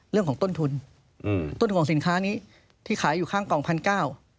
เรื่องของต้นทุนอืมต้นห่วงสินค้านี้ที่ขายอยู่ข้างกล่องพันเก้า